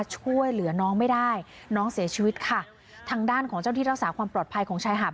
ช่วยเหลือน้องไม่ได้น้องเสียชีวิตค่ะทางด้านของเจ้าที่รักษาความปลอดภัยของชายหาด